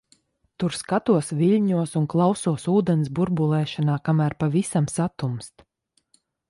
Tur skatos viļņos un klausos ūdens burbulēšanā, kamēr pavisam satumst.